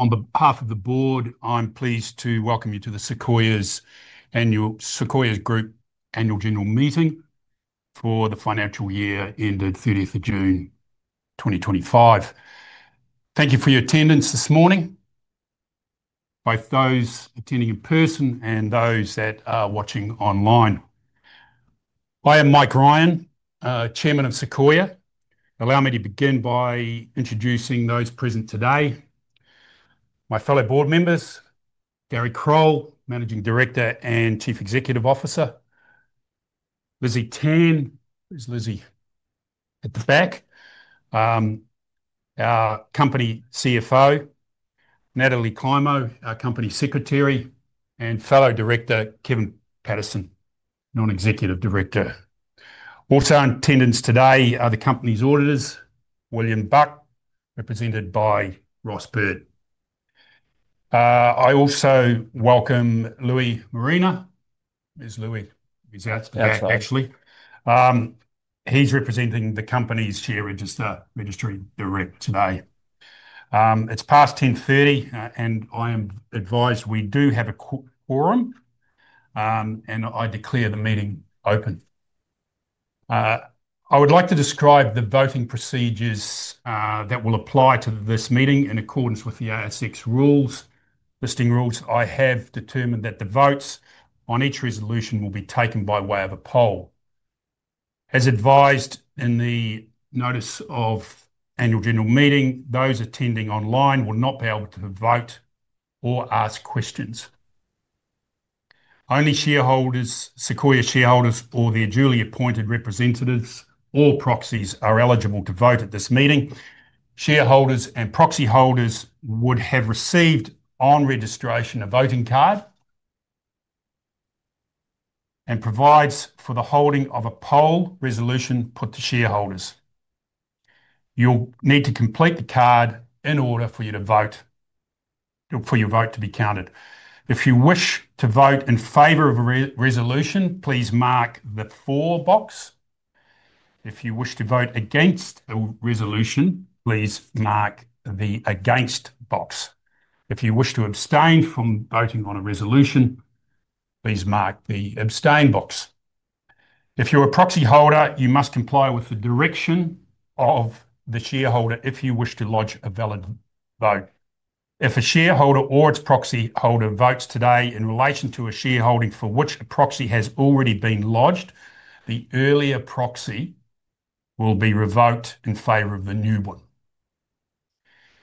On behalf of the Board, I'm pleased to welcome you to Sequoia's Annual Group Annual General Meeting for the financial year ended 30 June 2025. Thank you for your attendance this morning, both those attending in person and those that are watching online. I am Mike Ryan, Chairman of Sequoia. Allow me to begin by introducing those present today: my fellow Board members, Gary Crole, Managing Director and Chief Executive Officer; Lizzie Tan, who's Lizzie at the back; our Company CFO, Natalie Clonmo, our Company Secretary; and fellow Director, Kevin Pattison, Non-Executive Director. Also in attendance today are the Company's auditors, William Buck, represented by Ross Bird. I also welcome Louis Marina. There's Louis. He's out, actually. He's representing the Company's Chair Register, Registry Direct, today. It's past 10:30, and I am advised we do have a quorum and I declare the meeting open. I would like to describe the voting procedures that will apply to this meeting in accordance with the ASX listing rules. I have determined that the votes on each resolution will be taken by way of a poll. As advised in the Notice of Annual General Meeting, those attending online will not be able to vote or ask questions. Only shareholders, Sequoia shareholders, or their duly appointed representatives or proxies are eligible to vote at this meeting. Shareholders and proxy holders would have received on registration a voting card and provides for the holding of a poll resolution put to shareholders. You'll need to complete the card in order for your vote to be counted. If you wish to vote in favor of a resolution, please mark the 'For' box. If you wish to vote against a resolution, please mark the 'Against' box. If you wish to abstain from voting on a resolution, please mark the 'Abstain' box. If you're a proxy holder, you must comply with the direction of the shareholder if you wish to lodge a valid vote. If a shareholder or its proxy holder votes today in relation to a shareholding for which a proxy has already been lodged, the earlier proxy will be revoked in favor of the new one.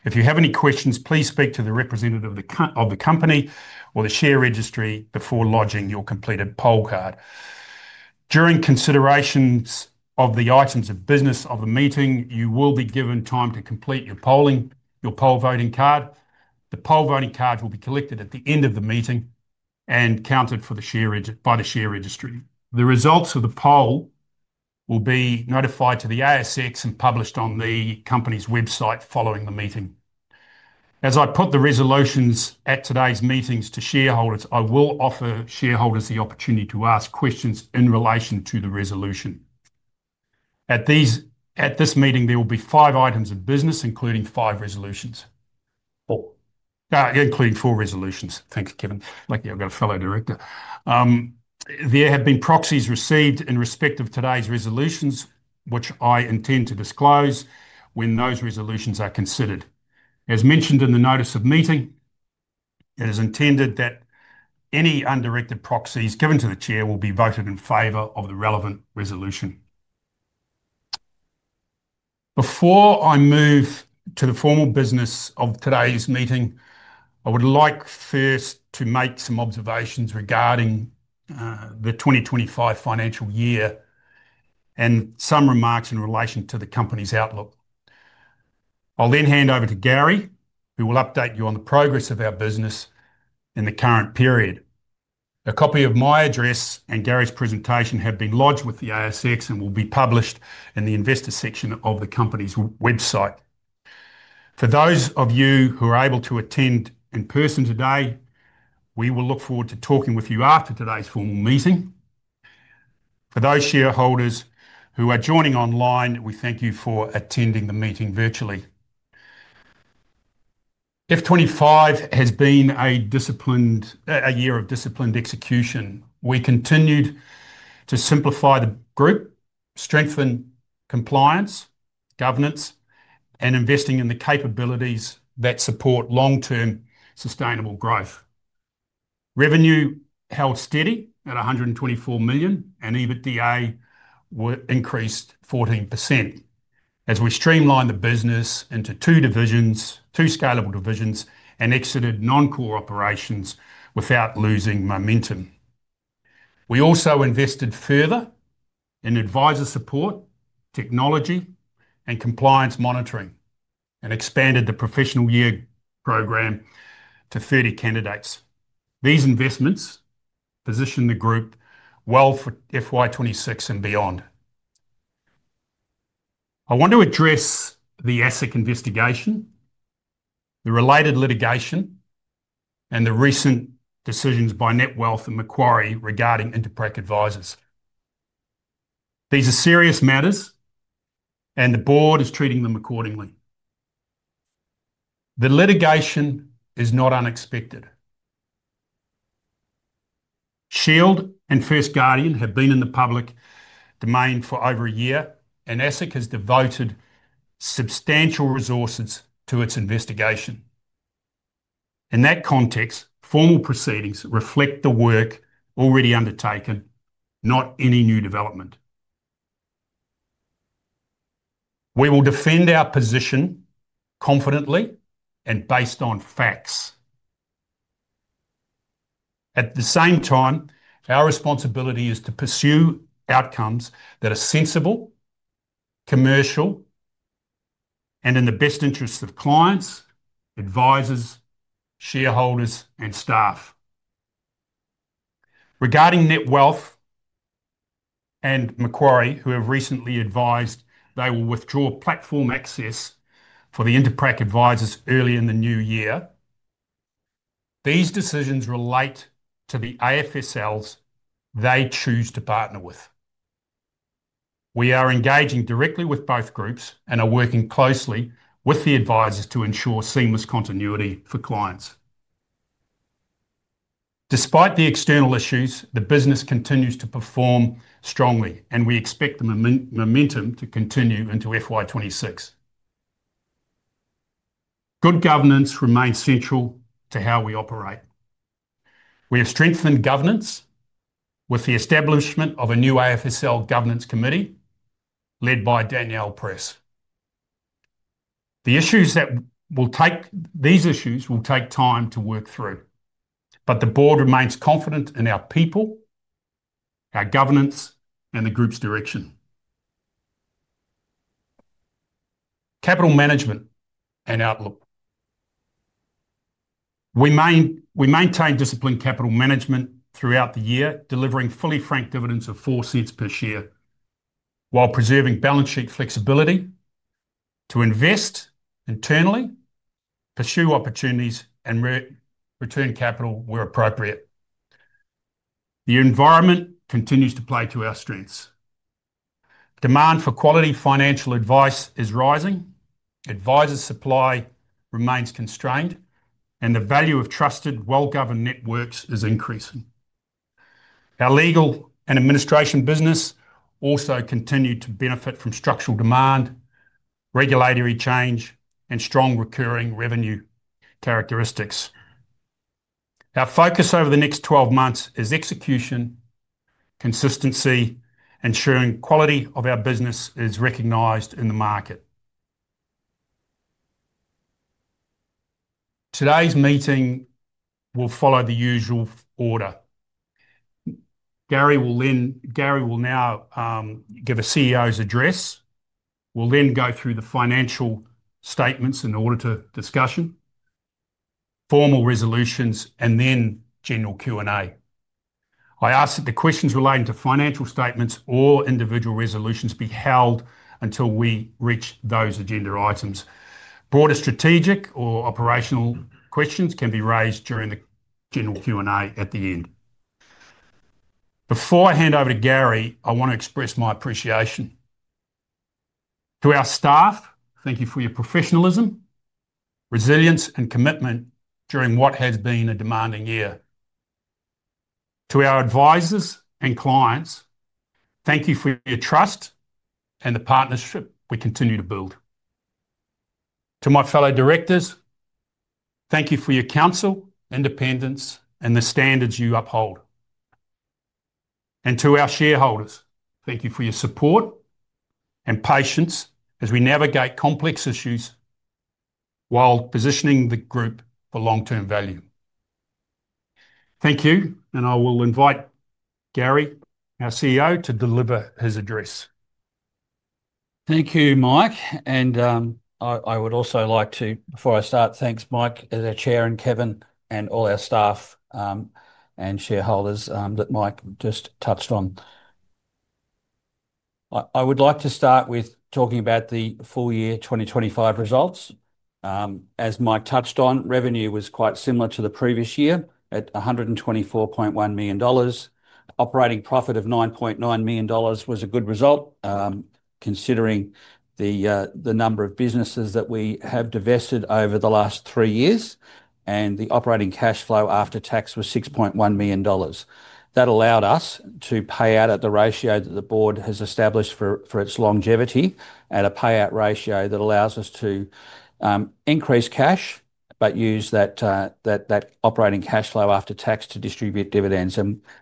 If you have any questions, please speak to the representative of the company or the share registry before lodging your completed poll card. During considerations of the items of business of the meeting, you will be given time to complete your polling, your poll voting card. The poll voting card will be collected at the end of the meeting and counted by the share registry. The results of the poll will be notified to the ASX and published on the Company's website following the meeting. As I put the resolutions at today's meetings to shareholders, I will offer shareholders the opportunity to ask questions in relation to the resolution. At this meeting, there will be five items of business, including five resolutions. Oh, including four resolutions. Thanks, Kevin. Luckily, I've got a fellow director. There have been proxies received in respect of today's resolutions, which I intend to disclose when those resolutions are considered. As mentioned in the Notice of Meeting, it is intended that any undirected proxies given to the Chair will be voted in favor of the relevant resolution. Before I move to the formal business of today's meeting, I would like first to make some observations regarding the 2025 financial year and some remarks in relation to the Company's outlook. I'll then hand over to Gary, who will update you on the progress of our business in the current period. A copy of my address and Gary's presentation have been lodged with the ASX and will be published in the Investor section of the Company's website. For those of you who are able to attend in person today, we will look forward to talking with you after today's formal meeting. For those shareholders who are joining online, we thank you for attending the meeting virtually. Fiscal year 2025 has been a year of disciplined execution. We continued to simplify the Group, strengthen compliance, governance, and investing in the capabilities that support long-term sustainable growth. Revenue held steady at 124 million, and EBITDA increased 14% as we streamlined the business into two scalable divisions and exited non-core operations without losing momentum. We also invested further in advisor support, technology, and compliance monitoring, and expanded the professional year program to 30 candidates. These investments position the Group well for FY 2026 and beyond. I want to address the ASIC investigation, the related litigation, and the recent decisions by NetWealth and Macquarie regarding Interprac advisors. These are serious matters, and the Board is treating them accordingly. The litigation is not unexpected. Shield and First Guardian have been in the public domain for over a year, and ASIC has devoted substantial resources to its investigation. In that context, formal proceedings reflect the work already undertaken, not any new development. We will defend our position confidently and based on facts. At the same time, our responsibility is to pursue outcomes that are sensible, commercial, and in the best interests of clients, advisors, shareholders, and staff. Regarding NetWealth and Macquarie, who have recently advised they will withdraw platform access for the Interprac advisors early in the new year, these decisions relate to the AFSLs they choose to partner with. We are engaging directly with both Groups and are working closely with the advisors to ensure seamless continuity for clients. Despite the external issues, the business continues to perform strongly, and we expect the momentum to continue into FY 2026. Good governance remains central to how we operate. We have strengthened governance with the establishment of a new AFSL Governance Committee led by Danielle Press. These issues will take time to work through, but the Board remains confident in our people, our governance, and the Group's direction. Capital Management and Outlook. We maintain disciplined capital management throughout the year, delivering fully franked dividends of 0.04 per share while preserving balance sheet flexibility to invest internally, pursue opportunities, and return capital where appropriate. The environment continues to play to our strengths. Demand for quality financial advice is rising, advisor supply remains constrained, and the value of trusted, well-governed networks is increasing. Our legal and administration business also continue to benefit from structural demand, regulatory change, and strong recurring revenue characteristics. Our focus over the next 12 months is execution, consistency, ensuring quality of our business is recognized in the market. Today's meeting will follow the usual order. Gary will now give a CEO's address, will then go through the financial statements and auditor discussion, formal resolutions, and then general Q&A. I ask that the questions relating to financial statements or individual resolutions be held until we reach those agenda items. Broader strategic or operational questions can be raised during the general Q&A at the end. Before I hand over to Gary, I want to express my appreciation. To our staff, thank you for your professionalism, resilience, and commitment during what has been a demanding year. To our advisors and clients, thank you for your trust and the partnership we continue to build. To my fellow directors, thank you for your counsel, independence, and the standards you uphold. To our shareholders, thank you for your support and patience as we navigate complex issues while positioning the Group for long-term value. Thank you, I will invite Gary, our CEO, to deliver his address. Thank you, Mike. I would also like to, before I start, thank Mike, the Chair, and Kevin, and all our staff and shareholders that Mike just touched on. I would like to start with talking about the full year 2025 results. As Mike touched on, revenue was quite similar to the previous year at 124.1 million dollars. Operating profit of 9.9 million dollars was a good result, considering the number of businesses that we have divested over the last three years, and the operating cash flow after tax was 6.1 million dollars. That allowed us to pay out at the ratio that the Board has established for its longevity at a payout ratio that allows us to increase cash but use that operating cash flow after tax to distribute dividends.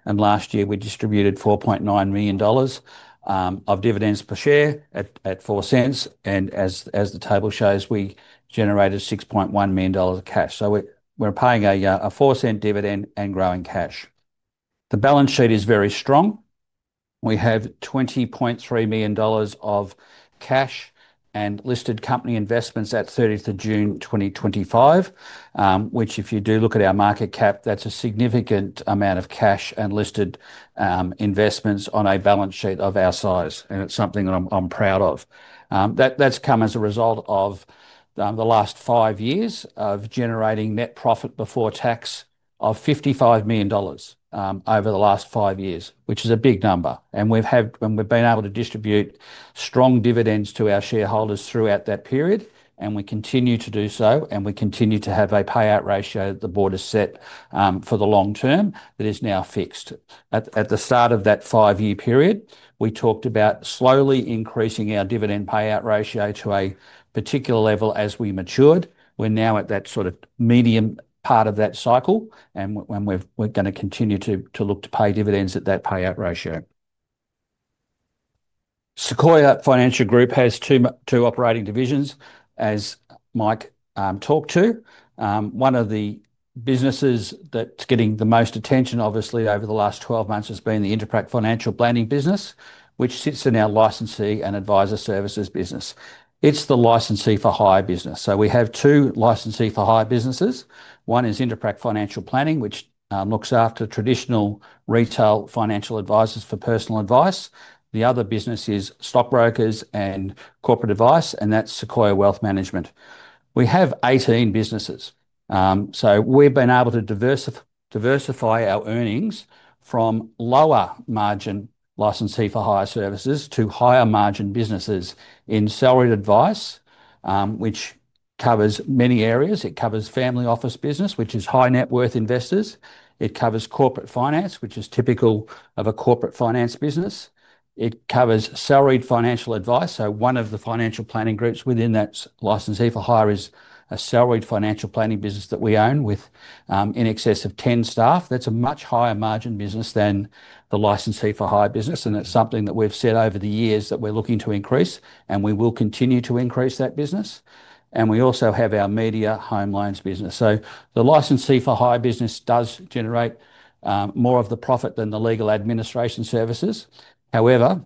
Last year, we distributed 4.9 million dollars of dividends per share at 0.04. As the table shows, we generated 6.1 million dollars of cash. We are paying a 0.04 dividend and growing cash. The balance sheet is very strong. We have 20.3 million dollars of cash and listed company investments at 30 June 2025, which, if you do look at our market cap, is a significant amount of cash and listed investments on a balance sheet of our size. It is something that I am proud of. That has come as a result of the last five years of generating net profit before tax of 55 million dollars over the last five years, which is a big number. We have been able to distribute strong dividends to our shareholders throughout that period, and we continue to do so, and we continue to have a payout ratio that the Board has set for the long term that is now fixed. At the start of that five-year period, we talked about slowly increasing our dividend payout ratio to a particular level as we matured. We're now at that sort of medium part of that cycle, and we're going to continue to look to pay dividends at that payout ratio. Sequoia Financial Group has two operating divisions, as Mike talked to. One of the businesses that's getting the most attention, obviously, over the last 12 months has been the Interprac Financial Planning business, which sits in our licensee and advisor services business. It's the licensee for hire business. We have two licensee for hire businesses. One is Interprac Financial Planning, which looks after traditional retail financial advisors for personal advice. The other business is stockbrokers and corporate advice, and that's Sequoia Wealth Management. We have 18 businesses. We have been able to diversify our earnings from lower margin licensee for hire services to higher margin businesses in salaried advice, which covers many areas. It covers family office business, which is high net worth investors. It covers corporate finance, which is typical of a corporate finance business. It covers salaried financial advice. One of the financial planning groups within that licensee for hire is a salaried financial planning business that we own with in excess of 10 staff. That is a much higher margin business than the licensee for hire business, and it is something that we have said over the years that we are looking to increase, and we will continue to increase that business. We also have our media home loans business. The licensee for hire business does generate more of the profit than the legal administration services. However,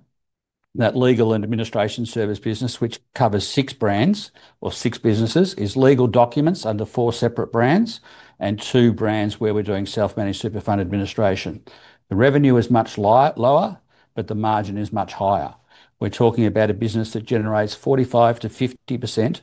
that legal and administration service business, which covers six brands or six businesses, is legal documents under four separate brands and two brands where we're doing self-managed super fund administration. The revenue is much lower, but the margin is much higher. We're talking about a business that generates 45%-50%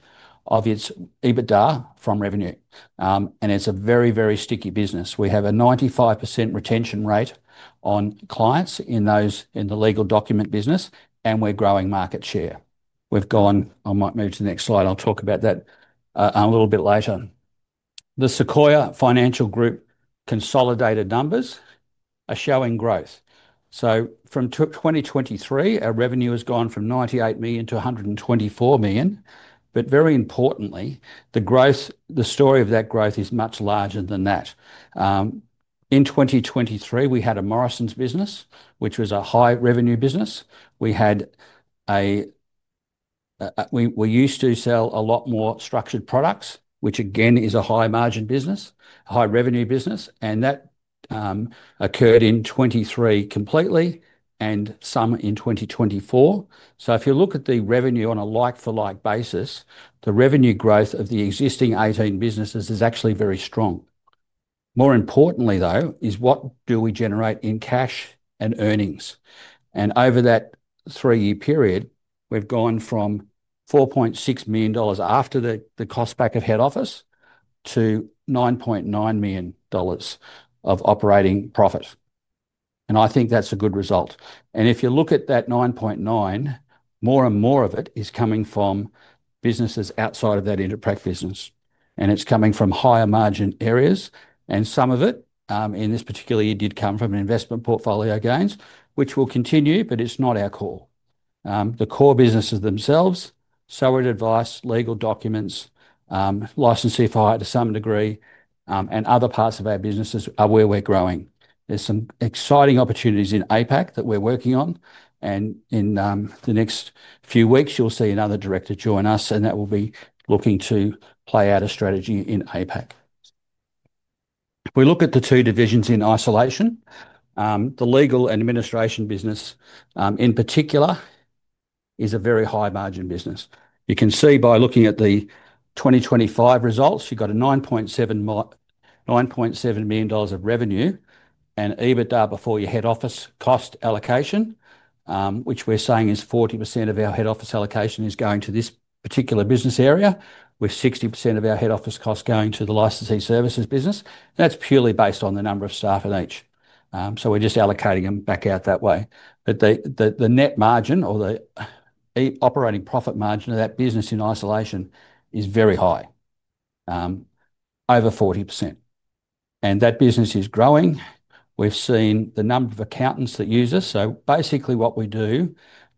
of its EBITDA from revenue, and it's a very, very sticky business. We have a 95% retention rate on clients in the legal document business, and we're growing market share. We've gone—I might move to the next slide. I will talk about that a little bit later. The Sequoia Financial Group consolidated numbers are showing growth. From 2023, our revenue has gone from 98 million to 124 million. Very importantly, the story of that growth is much larger than that. In 2023, we had a Morrisons business, which was a high revenue business. We used to sell a lot more structured products, which again is a high margin business, a high revenue business, and that occurred in 2023 completely and some in 2024. If you look at the revenue on a like-for-like basis, the revenue growth of the existing 18 businesses is actually very strong. More importantly, though, is what do we generate in cash and earnings. Over that three-year period, we've gone from 4.6 million dollars after the cost back of head office to 9.9 million dollars of operating profit. I think that's a good result. If you look at that 9.9, more and more of it is coming from businesses outside of that Interprac business, and it's coming from higher margin areas. Some of it, in this particular year, did come from investment portfolio gains, which will continue, but it's not our core. The core businesses themselves, salaried advice, legal documents, licensee for hire to some degree, and other parts of our businesses are where we're growing. There are some exciting opportunities in APAC that we're working on. In the next few weeks, you'll see another director join us, and that will be looking to play out a strategy in APAC. If we look at the two divisions in isolation, the legal and administration business, in particular, is a very high margin business. You can see by looking at the 2025 results, you've got 9.7 million dollars of revenue and EBITDA before your head office cost allocation, which we're saying is 40% of our head office allocation is going to this particular business area, with 60% of our head office costs going to the licensee services business. That's purely based on the number of staff in each. We're just allocating them back out that way. The net margin or the operating profit margin of that business in isolation is very high, over 40%. That business is growing. We've seen the number of accountants that use us. Basically, what we do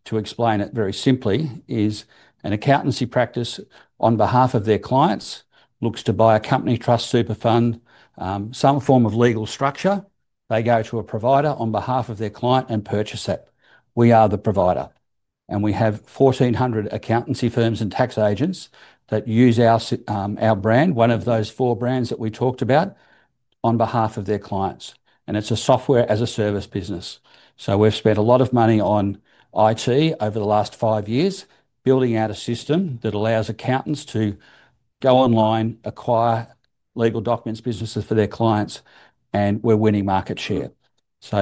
to explain it very simply is an accountancy practice on behalf of their clients looks to buy a company trust super fund, some form of legal structure. They go to a provider on behalf of their client and purchase it. We are the provider, and we have 1,400 accountancy firms and tax agents that use our brand, one of those four brands that we talked about, on behalf of their clients. It's a software-as-a-service business. We've spent a lot of money on IT over the last five years, building out a system that allows accountants to go online, acquire legal documents businesses for their clients, and we're winning market share.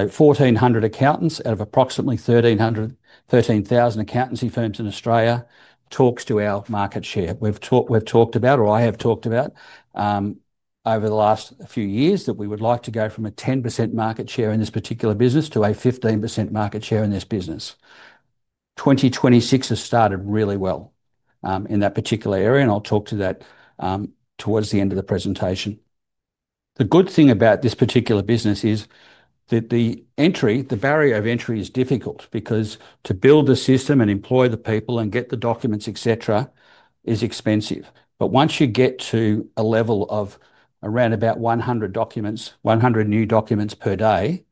Fourteen hundred accountants out of approximately 13,000 accountancy firms in Australia talks to our market share. We've talked about, or I have talked about, over the last few years that we would like to go from a 10% market share in this particular business to a 15% market share in this business. Two thousand twenty-six has started really well in that particular area, and I'll talk to that towards the end of the presentation. The good thing about this particular business is that the barrier of entry is difficult because to build the system and employ the people and get the documents, etc., is expensive. Once you get to a level of around about 100 new documents per day,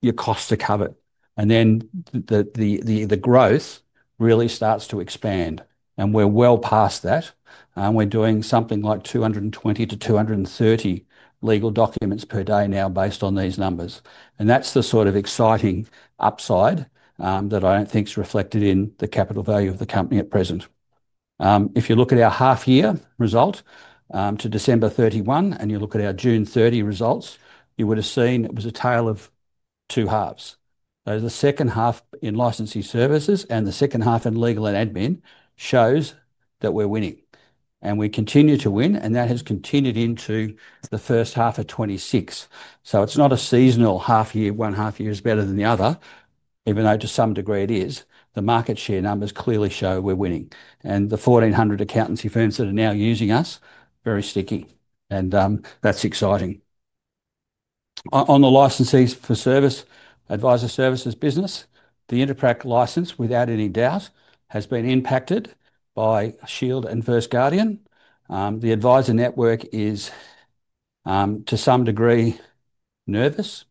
your costs are covered. Then the growth really starts to expand. We're well past that. We're doing something like 220-230 legal documents per day now based on these numbers. That's the sort of exciting upside that I don't think is reflected in the capital value of the company at present. If you look at our half-year result to December 2031 and you look at our June 2030 results, you would have seen it was a tale of two halves. The second half in licensee services and the second half in legal and admin shows that we're winning. We continue to win, and that has continued into the first half of 2026. It is not a seasonal half-year; one half-year is better than the other, even though to some degree it is. The market share numbers clearly show we are winning. And the 1,400 accountancy firms that are now using us are very sticky, and that is exciting. On the licensee for service advisor services business, the Interprac license, without any doubt, has been impacted by Shield and First Guardian. The advisor network is, to some degree, nervous.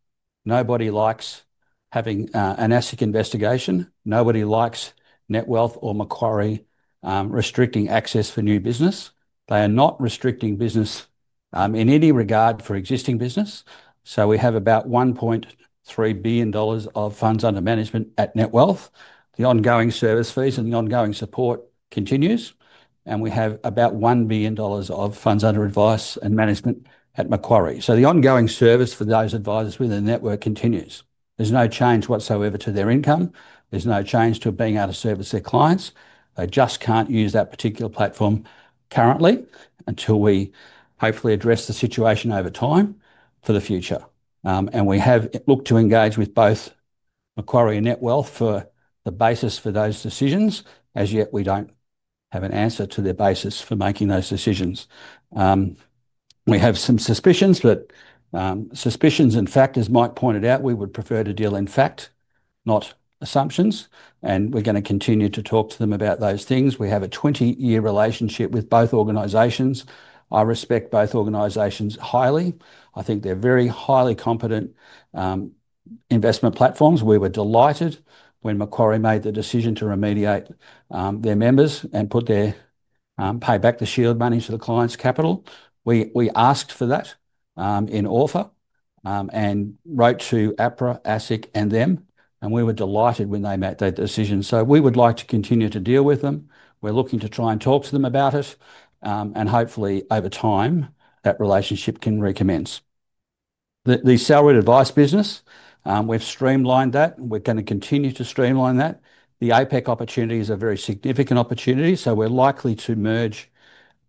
Nobody likes having an ASIC investigation. Nobody likes NetWealth or Macquarie restricting access for new business. They are not restricting business in any regard for existing business. We have about 1.3 billion dollars of funds under management at NetWealth. The ongoing service fees and the ongoing support continue. We have about 1 billion dollars of funds under advice and management at Macquarie. The ongoing service for those advisors within the network continues. There's no change whatsoever to their income. There's no change to being able to service their clients. They just can't use that particular platform currently until we hopefully address the situation over time for the future. We have looked to engage with both Macquarie and NetWealth for the basis for those decisions. As yet, we don't have an answer to their basis for making those decisions. We have some suspicions, but suspicions and factors Mike pointed out, we would prefer to deal in fact, not assumptions. We're going to continue to talk to them about those things. We have a 20-year relationship with both organizations. I respect both organizations highly. I think they're very highly competent investment platforms. We were delighted when Macquarie made the decision to remediate their members and pay back the Shield money to the client's capital. We asked for that in offer and wrote to APRA, ASIC, and them, and we were delighted when they met their decision. We would like to continue to deal with them. We're looking to try and talk to them about it, and hopefully, over time, that relationship can recommence. The salaried advice business, we've streamlined that, and we're going to continue to streamline that. The APAC opportunities are very significant opportunities, so we're likely to merge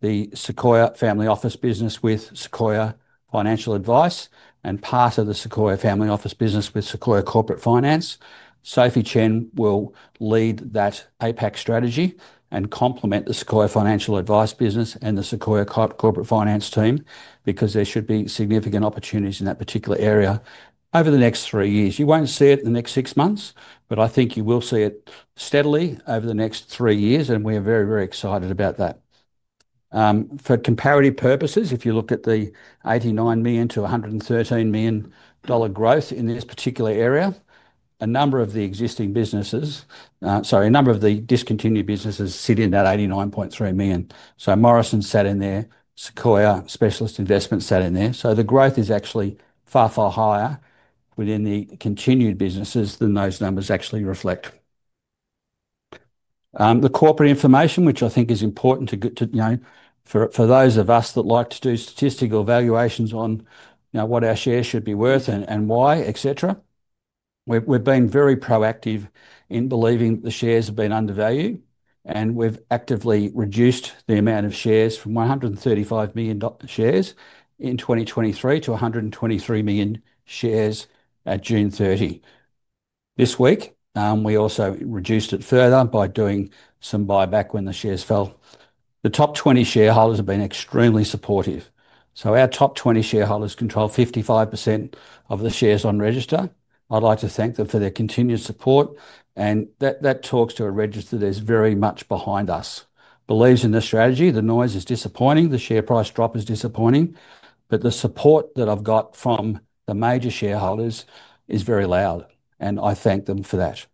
the Sequoia Family Office business with Sequoia Financial Advice and part of the Sequoia Family Office business with Sequoia Corporate Finance. Sophie Chen will lead that APAC strategy and complement the Sequoia Financial Advice business and the Sequoia Corporate Finance team because there should be significant opportunities in that particular area over the next three years. You won't see it in the next six months, but I think you will see it steadily over the next three years, and we are very, very excited about that. For comparative purposes, if you look at the 89 million-113 million dollar growth in this particular area, a number of the existing businesses—sorry, a number of the discontinued businesses—sit in that 89.3 million. Morrisons sat in there. Sequoia Specialist Investments sat in there. The growth is actually far, far higher within the continued businesses than those numbers actually reflect. The corporate information, which I think is important for those of us that like to do statistical valuations on what our shares should be worth and why, etc., we've been very proactive in believing that the shares have been undervalued, and we've actively reduced the amount of shares from 135 million shares in 2023 to 123 million shares at June 30. This week, we also reduced it further by doing some buyback when the shares fell. The top 20 shareholders have been extremely supportive. Our top 20 shareholders control 55% of the shares on register. I'd like to thank them for their continued support, and that talks to a register that is very much behind us. Believes in this strategy. The noise is disappointing. The share price drop is disappointing. The support that I've got from the major shareholders is very loud, and I thank them for that.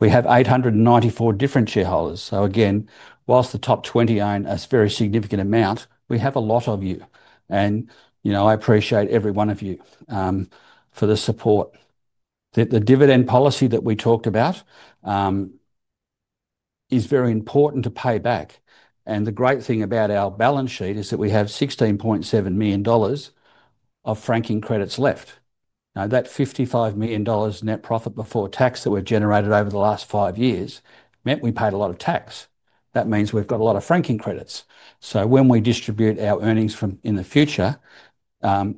We have 894 different shareholders. Again, whilst the top 20 own a very significant amount, we have a lot of you, and I appreciate every one of you for the support. The dividend policy that we talked about is very important to pay back. The great thing about our balance sheet is that we have 16.7 million dollars of franking credits left. Now, that 55 million dollars net profit before tax that we've generated over the last five years meant we paid a lot of tax. That means we've got a lot of franking credits. When we distribute our earnings in the future,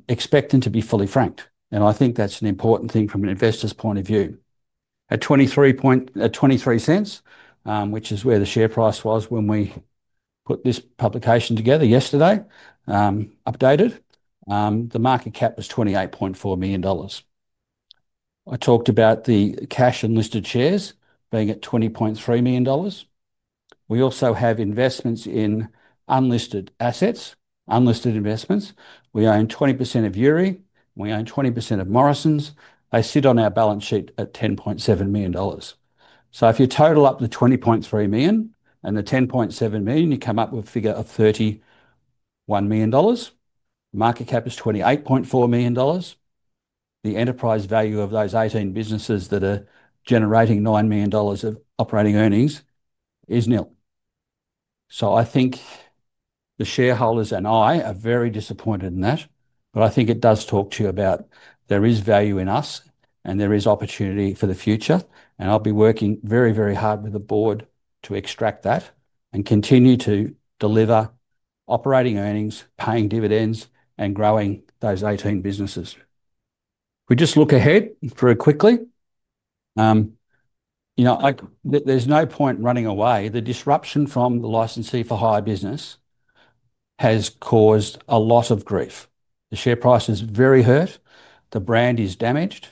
expect them to be fully franked. I think that's an important thing from an investor's point of view. At 0.23, which is where the share price was when we put this publication together yesterday, updated, the market cap was 28.4 million dollars. I talked about the cash unlisted shares being at 20.3 million dollars. We also have investments in unlisted assets, unlisted investments. We own 20% of Yuri. We own 20% of Morrisons. They sit on our balance sheet at 10.7 million dollars. If you total up the 20.3 million and the 10.7 million, you come up with a figure of 31 million dollars. Market cap is 28.4 million dollars. The enterprise value of those 18 businesses that are generating 9 million dollars of operating earnings is nil. I think the shareholders and I are very disappointed in that, but I think it does talk to you about there is value in us and there is opportunity for the future. I'll be working very, very hard with the board to extract that and continue to deliver operating earnings, paying dividends, and growing those 18 businesses. We just look ahead very quickly. There's no point running away. The disruption from the licensee for hire business has caused a lot of grief. The share price is very hurt. The brand is damaged,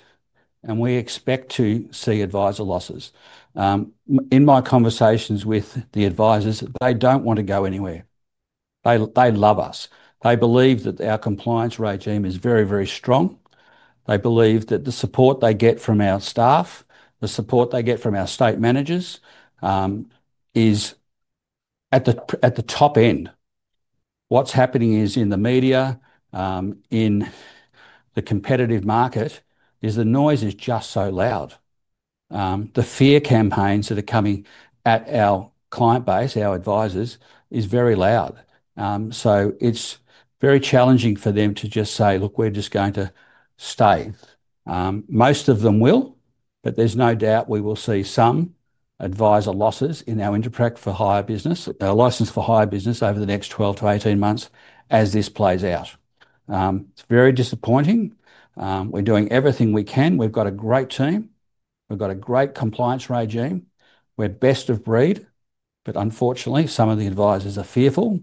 and we expect to see advisor losses. In my conversations with the advisors, they don't want to go anywhere. They love us. They believe that our compliance regime is very, very strong. They believe that the support they get from our staff, the support they get from our state managers, is at the top end. What's happening is in the media, in the competitive market, is the noise is just so loud. The fear campaigns that are coming at our client base, our advisors, is very loud. It is very challenging for them to just say, "Look, we're just going to stay." Most of them will, but there is no doubt we will see some advisor losses in our Interprac for hire business, license for hire business over the next 12-18 months as this plays out. It is very disappointing. We are doing everything we can. We have got a great team. We have got a great compliance regime. We are best of breed. Unfortunately, some of the advisors are fearful,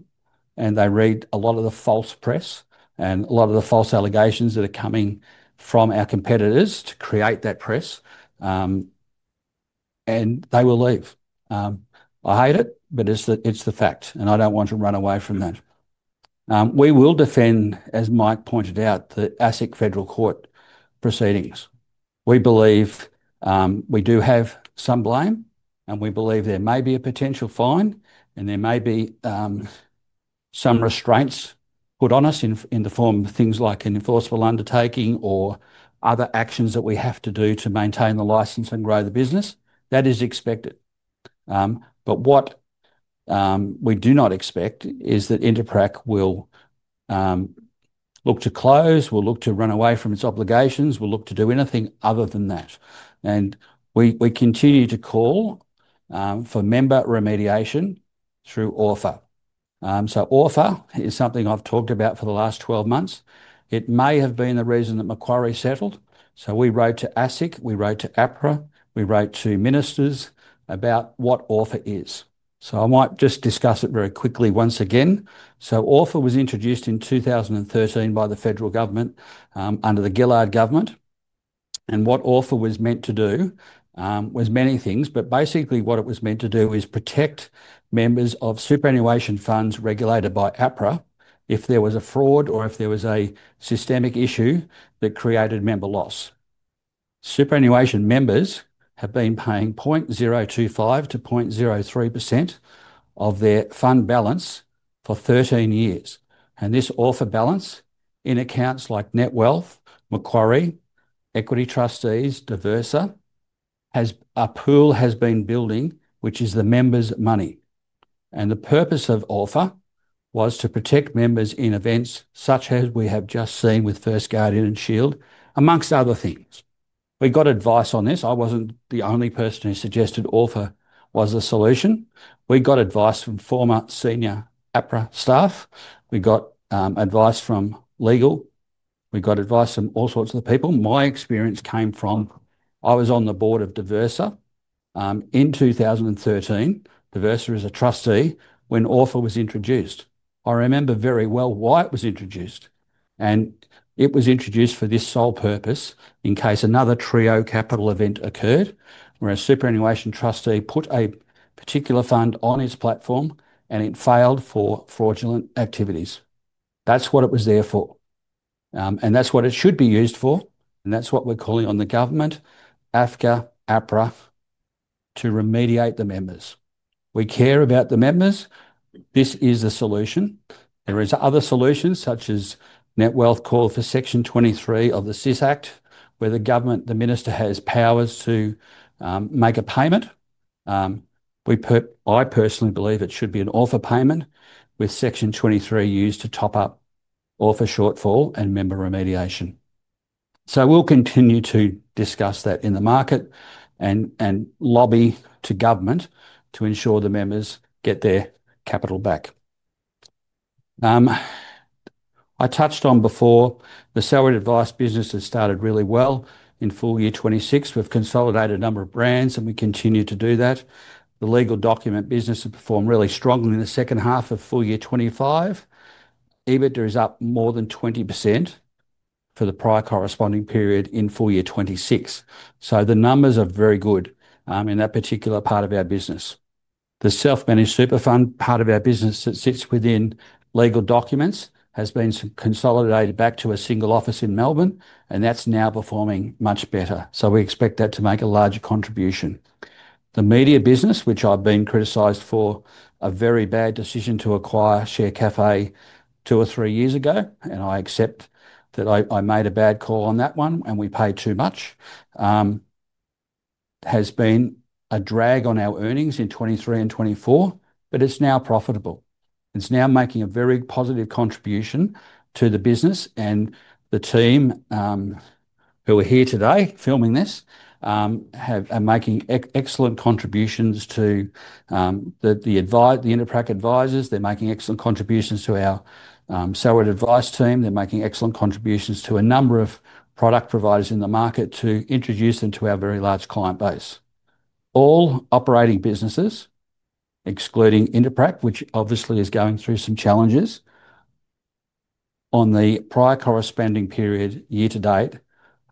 and they read a lot of the false press and a lot of the false allegations that are coming from our competitors to create that press, and they will leave. I hate it, but it is the fact, and I do not want to run away from that. We will defend, as Mike pointed out, the ASIC Federal Court proceedings. We believe we do have some blame, and we believe there may be a potential fine, and there may be some restraints put on us in the form of things like an enforceable undertaking or other actions that we have to do to maintain the license and grow the business. That is expected. What we do not expect is that Interprac will look to close, will look to run away from its obligations, will look to do anything other than that. We continue to call for member remediation through ORFA. ORFA is something I've talked about for the last 12 months. It may have been the reason that Macquarie settled. We wrote to ASIC. We wrote to APRA. We wrote to ministers about what ORFA is. I might just discuss it very quickly once again. ORFA was introduced in 2013 by the federal government under the Gillard government. What ORFA was meant to do was many things, but basically what it was meant to do is protect members of superannuation funds regulated by APRA if there was a fraud or if there was a systemic issue that created member loss. Superannuation members have been paying 0.025%-0.03% of their fund balance for 13 years. This ORFA balance in accounts like NetWealth, Macquarie, Equity Trustees, Diversa, a pool has been building, which is the members' money. The purpose of ORFA was to protect members in events such as we have just seen with First Guardian and Shield, amongst other things. We got advice on this. I wasn't the only person who suggested ORFA was the solution. We got advice from former senior APRA staff. We got advice from legal. We got advice from all sorts of people. My experience came from I was on the board of Diversa in 2013. Diversa is a trustee when ORFA was introduced. I remember very well why it was introduced. It was introduced for this sole purpose in case another Trio Capital event occurred where a superannuation trustee put a particular fund on its platform and it failed for fraudulent activities. That is what it was there for. That is what it should be used for. That is what we are calling on the government, AFCA, APRA, to remediate the members. We care about the members. This is the solution. There are other solutions such as NetWealth call for Section 23 of the SIS Act, where the government, the minister has powers to make a payment. I personally believe it should be an ORFA payment with Section 23 used to top up ORFA shortfall and member remediation. We will continue to discuss that in the market and lobby to government to ensure the members get their capital back. I touched on before, the salaried advice business has started really well in full year 2026. We have consolidated a number of brands, and we continue to do that. The legal document business has performed really strongly in the second half of full year 2025. EBITDA is up more than 20% for the prior corresponding period in full year 2026. The numbers are very good in that particular part of our business. The self-managed super fund part of our business that sits within legal documents has been consolidated back to a single office in Melbourne, and that is now performing much better. We expect that to make a larger contribution. The media business, which I've been criticized for a very bad decision to acquire Share Cafe two or three years ago, and I accept that I made a bad call on that one and we paid too much, has been a drag on our earnings in 2023 and 2024, but it's now profitable. It's now making a very positive contribution to the business. The team who are here today filming this are making excellent contributions to the Interprac advisors. They're making excellent contributions to our salaried advice team. They're making excellent contributions to a number of product providers in the market to introduce them to our very large client base. All operating businesses, excluding Interprac, which obviously is going through some challenges on the prior corresponding period year to date,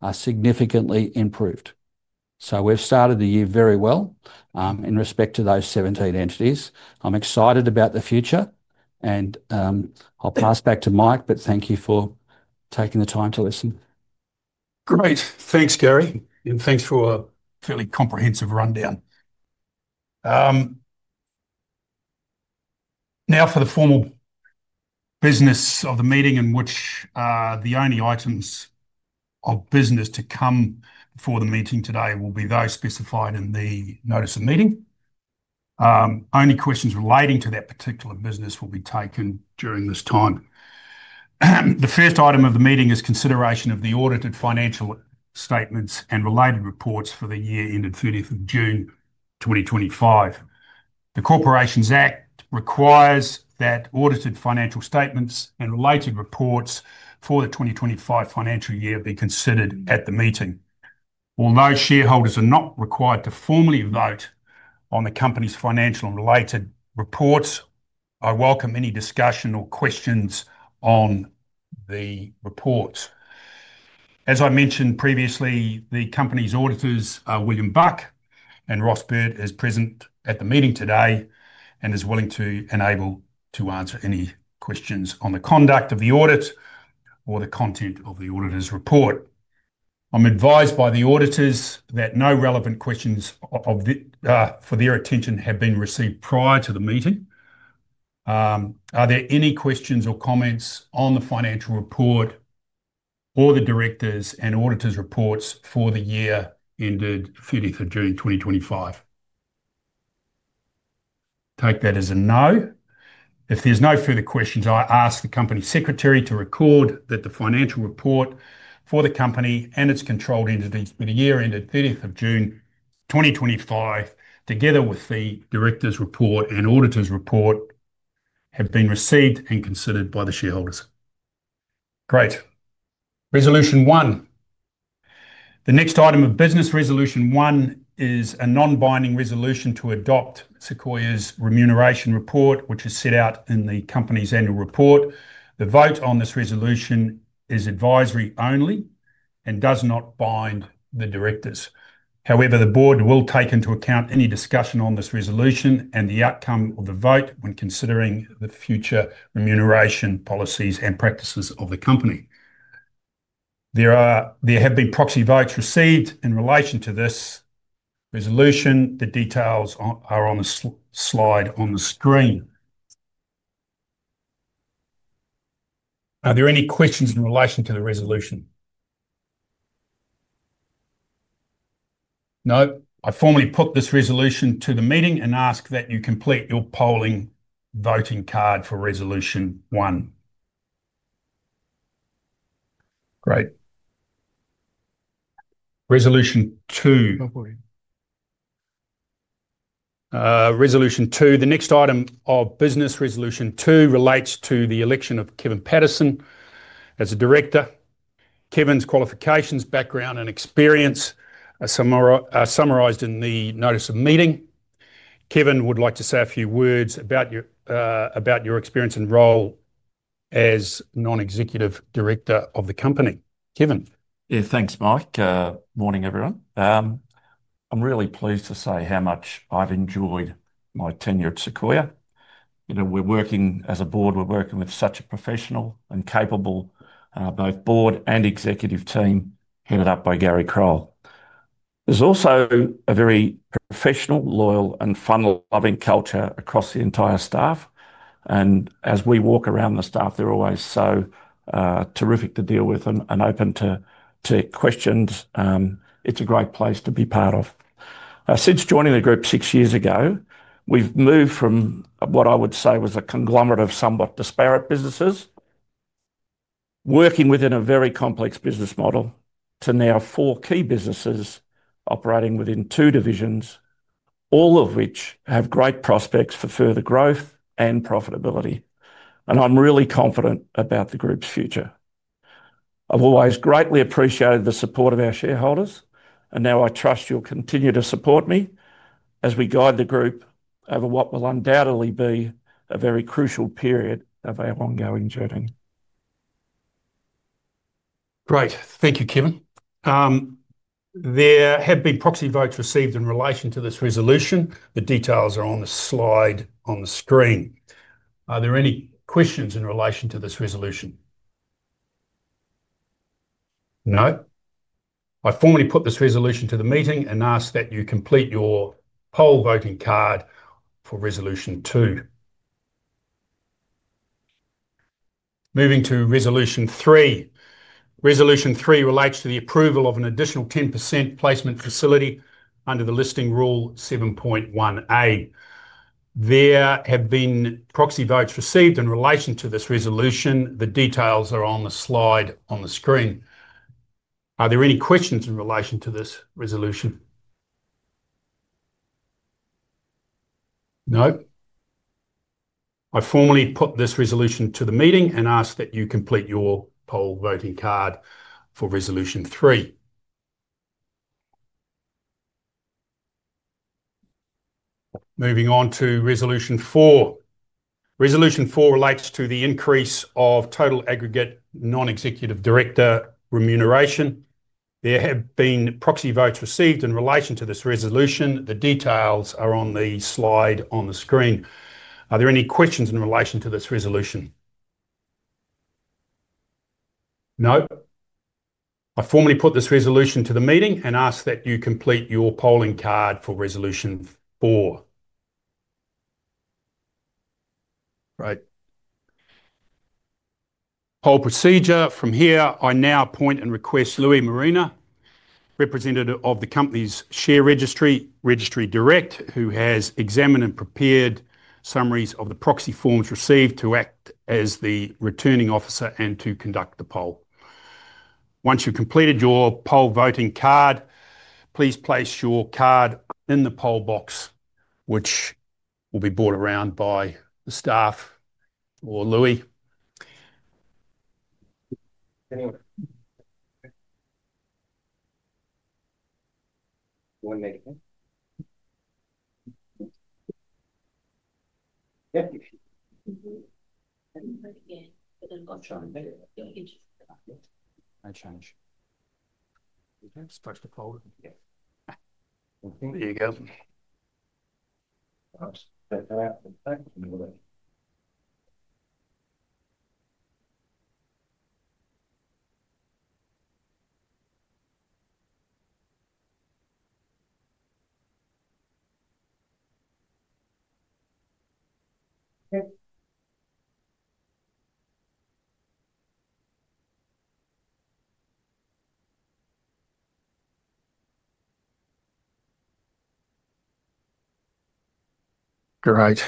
are significantly improved. We have started the year very well in respect to those 17 entities. I'm excited about the future, and I'll pass back to Mike, but thank you for taking the time to listen. Great. Thanks, Gary, and thanks for a fairly comprehensive rundown. Now, for the formal business of the meeting, in which the only items of business to come before the meeting today will be those specified in the notice of meeting. Only questions relating to that particular business will be taken during this time. The first item of the meeting is consideration of the audited financial statements and related reports for the year ended 30th of June 2025. The Corporations Act requires that audited financial statements and related reports for the 2025 financial year be considered at the meeting. Although shareholders are not required to formally vote on the company's financial and related reports, I welcome any discussion or questions on the reports. As I mentioned previously, the company's auditors, William Buck and Ross Bird, are present at the meeting today and are willing and able to answer any questions on the conduct of the audit or the content of the auditor's report. I'm advised by the auditors that no relevant questions for their attention have been received prior to the meeting. Are there any questions or comments on the financial report or the directors' and auditors' reports for the year ended 30th of June 2025? Take that as a no. If there's no further questions, I ask the Company Secretary to record that the financial report for the company and its controlled entities for the year ended 30th of June 2025, together with the directors' report and auditors' report, have been received and considered by the shareholders. Great. Resolution one. The next item of business, resolution one, is a non-binding resolution to adopt Sequoia's remuneration report, which is set out in the company's annual report. The vote on this resolution is advisory only and does not bind the directors. However, the board will take into account any discussion on this resolution and the outcome of the vote when considering the future remuneration policies and practices of the company. There have been proxy votes received in relation to this resolution. The details are on the slide on the screen. Are there any questions in relation to the resolution? No. I formally put this resolution to the meeting and ask that you complete your polling voting card for resolution one. Great. Resolution two. Resolution two. The next item of business, resolution two, relates to the election of Kevin Pattison as a director. Kevin's qualifications, background, and experience are summarized in the notice of meeting. Kevin would like to say a few words about your experience and role as Non-Executive Director of the company. Kevin. Yeah, thanks, Mike. Morning, everyone. I'm really pleased to say how much I've enjoyed my tenure at Sequoia. We're working as a board. We're working with such a professional and capable both board and executive team headed up by Gary Crole. There's also a very professional, loyal, and fun-loving culture across the entire staff. As we walk around the staff, they're always so terrific to deal with and open to questions. It's a great place to be part of. Since joining the group six years ago, we've moved from what I would say was a conglomerate of somewhat disparate businesses, working within a very complex business model, to now four key businesses operating within two divisions, all of which have great prospects for further growth and profitability. I'm really confident about the group's future. I've always greatly appreciated the support of our shareholders, and now I trust you'll continue to support me as we guide the group over what will undoubtedly be a very crucial period of our ongoing journey. Great. Thank you, Kevin. There have been proxy votes received in relation to this resolution. The details are on the slide on the screen. Are there any questions in relation to this resolution? No. I formally put this resolution to the meeting and ask that you complete your poll voting card for resolution two. Moving to resolution three. Resolution three relates to the approval of an additional 10% placement facility under the Listing Rule 7.1a. There have been proxy votes received in relation to this resolution. The details are on the slide on the screen. Are there any questions in relation to this resolution? No. I formally put this resolution to the meeting and ask that you complete your poll voting card for resolution three. Moving on to resolution four. Resolution four relates to the increase of total aggregate non-executive director remuneration. There have been proxy votes received in relation to this resolution. The details are on the slide on the screen. Are there any questions in relation to this resolution? No. I formally put this resolution to the meeting and ask that you complete your polling card for resolution four. Great. Poll procedure from here. I now point and request Louis Marina, representative of the company's share registry, Registry Direct, who has examined and prepared summaries of the proxy forms received to act as the returning officer and to conduct the poll. Once you've completed your poll voting card, please place your card in the poll box, which will be brought around by the staff or Louis. Great.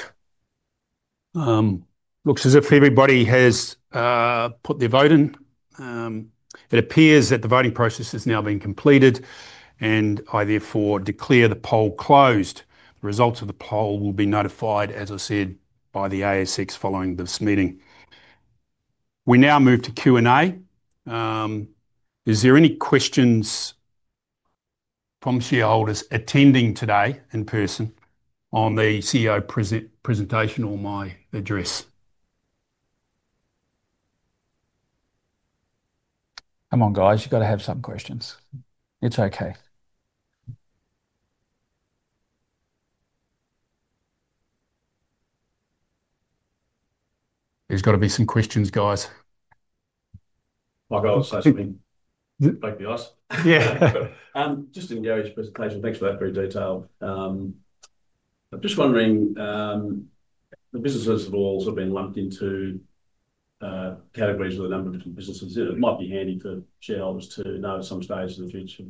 Looks as if everybody has put their vote in. It appears that the voting process has now been completed, and I therefore declare the poll closed. The results of the poll will be notified, as I said, by the ASX following this meeting. We now move to Q&A. Is there any questions from shareholders attending today in person on the CEO presentation or my address? Come on, guys. You've got to have some questions. It's okay. There's got to be some questions, guys. My goal is so sweet. Thank you, guys. Yeah. Just in Gary's presentation, thanks for that very detailed. I'm just wondering, the businesses have also been lumped into categories with a number of different businesses. It might be handy for shareholders to know at some stage in the future,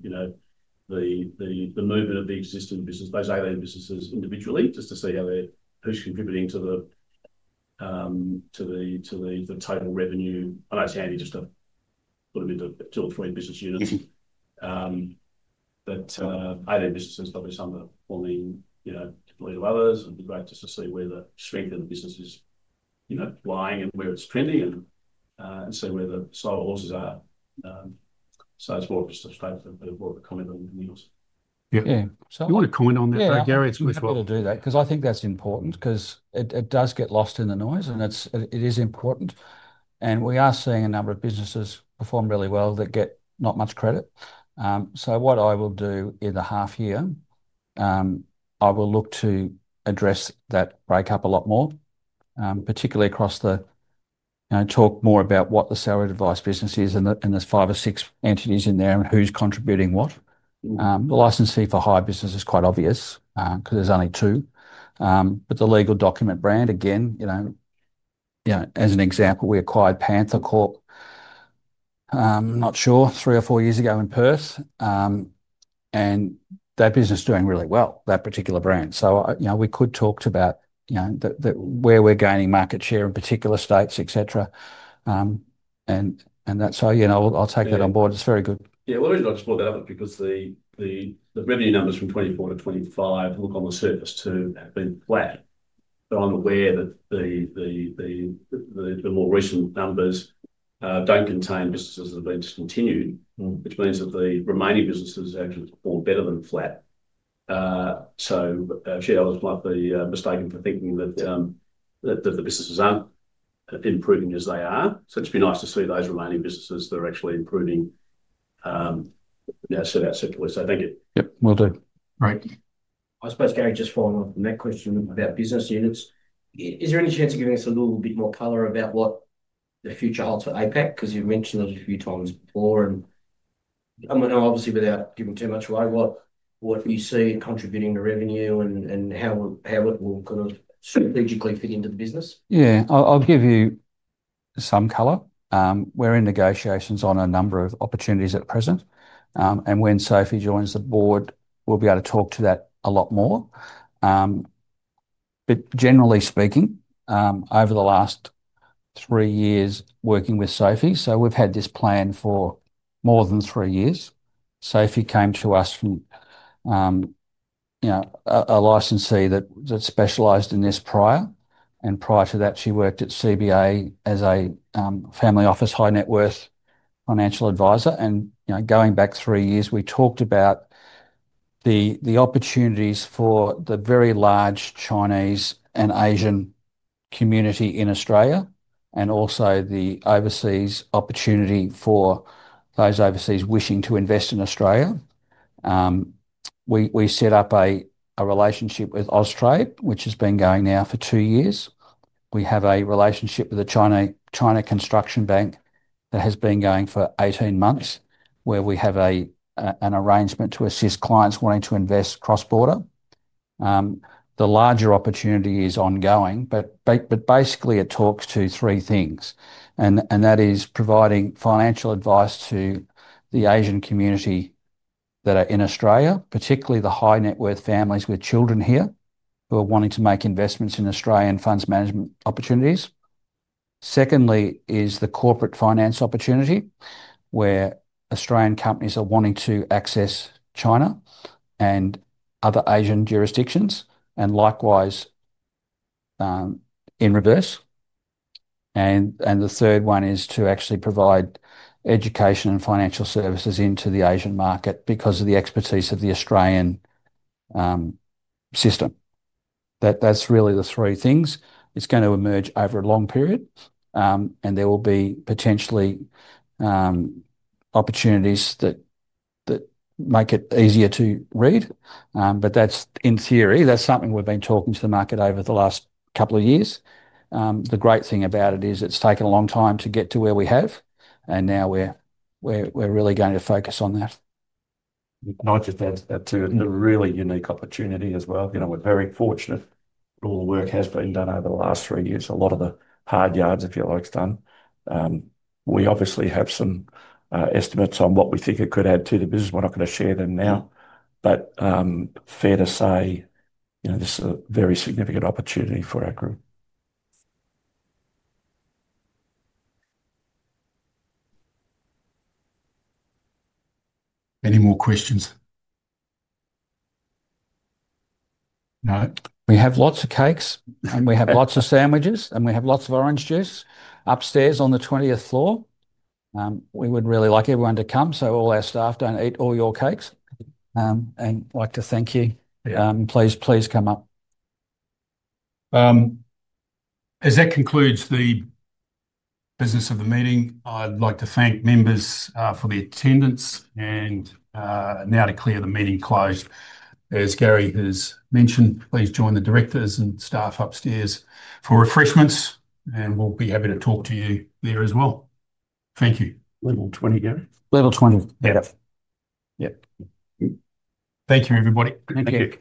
the movement of the existing business, those 18 businesses individually, just to see who's contributing to the total revenue. I know it's handy just to put them into two or three business units. But 18 businesses, probably some that are forming to lead others. It'd be great just to see where the strength of the business is lying and where it's trending and see where the sole horses are. It's more just a space for a bit more of a comment than anything else. Yeah. Do you want to comment on that, Gary? I'm happy to do that because I think that's important because it does get lost in the noise, and it is important. We are seeing a number of businesses perform really well that get not much credit. What I will do in the half year, I will look to address that breakup a lot more, particularly across the talk more about what the salaried advice business is and there's five or six entities in there and who's contributing what. The licensee for hire business is quite obvious because there's only two. The legal document brand, again, as an example, we acquired Panther Corp, not sure, three or four years ago in Perth, and that business is doing really well, that particular brand. We could talk to about where we're gaining market share in particular states, etc. I'll take that on board. It's very good. Yeah. We'll explore that a bit because the revenue numbers from 2024 to 2025 look on the surface to have been flat. I'm aware that the more recent numbers don't contain businesses that have been discontinued, which means that the remaining businesses actually perform better than flat. Shareholders might be mistaken for thinking that the businesses aren't improving as they are. It would be nice to see those remaining businesses that are actually improving now set out separately. Thank you. Yep. Will do. Great. I suppose Gary, just following up on that question about business units. Is there any chance of giving us a little bit more color about what the future holds for APAC? Because you've mentioned it a few times before. Obviously, without giving too much away, what do you see contributing to revenue and how it will kind of strategically fit into the business? Yeah. I'll give you some color. We're in negotiations on a number of opportunities at present. When Sophie joins the board, we'll be able to talk to that a lot more. Generally speaking, over the last three years working with Sophie, we've had this plan for more than three years. Sophie came to us from a licensee that specialized in this prior. Prior to that, she worked at CBA as a family office high-net-worth financial advisor. Going back three years, we talked about the opportunities for the very large Chinese and Asian community in Australia and also the overseas opportunity for those overseas wishing to invest in Australia. We set up a relationship with Oztrade, which has been going now for two years. We have a relationship with China Construction Bank that has been going for 18 months, where we have an arrangement to assist clients wanting to invest cross-border. The larger opportunity is ongoing, but basically, it talks to three things. That is providing financial advice to the Asian community that are in Australia, particularly the high-net-worth families with children here who are wanting to make investments in Australian funds management opportunities. Secondly is the corporate finance opportunity where Australian companies are wanting to access China and other Asian jurisdictions, and likewise in reverse. The third one is to actually provide education and financial services into the Asian market because of the expertise of the Australian system. That is really the three things. It is going to emerge over a long period, and there will be potentially opportunities that make it easier to read. In theory, that is something we have been talking to the market over the last couple of years. The great thing about it is it has taken a long time to get to where we have, and now we are really going to focus on that. I would like to add to a really unique opportunity as well. We are very fortunate that all the work has been done over the last three years. A lot of the hard yards, if you like, is done. We obviously have some estimates on what we think it could add to the business. We're not going to share them now. Fair to say this is a very significant opportunity for our group. Any more questions? No. We have lots of cakes, and we have lots of sandwiches, and we have lots of orange juice upstairs on the 20th floor. We would really like everyone to come so all our staff don't eat all your cakes. I'd like to thank you. Please come up. As that concludes the business of the meeting, I'd like to thank members for the attendance. I now declare the meeting closed. As Gary has mentioned, please join the directors and staff upstairs for refreshments, and we'll be happy to talk to you there as well. Thank you. Level 20, Gary? Level 20. Yeah. Yeah. Thank you, everybody. Thank you.